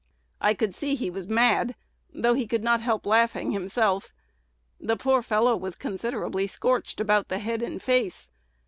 I could see he was mad, though he could not help laughing himself. The poor fellow was considerably scorched about the head and face.